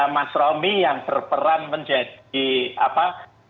mas romi yang berperan menjadi apa